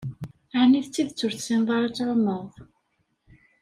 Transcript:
Ɛni d tidett ur tessineḍ ara ad tɛumeḍ?